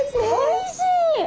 おいしい！